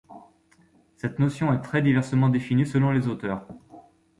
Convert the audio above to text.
Cette notion est très diversement définie selon les auteurs.